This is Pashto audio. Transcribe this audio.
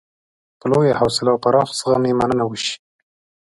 په لویه حوصله او پراخ زغم یې مننه وشي.